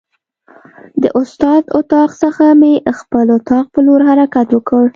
د استاد اتاق څخه مې خپل اتاق په لور حرکت وکړ.